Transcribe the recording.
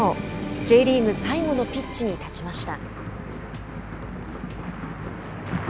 Ｊリーグ最後のピッチに立ちました。